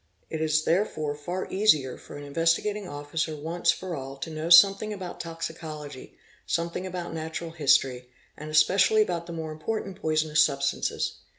It is therefore far easier for an Investigating Officer once fe all to know something about toxicology, something about natural history and especially about the more important poisonous substances.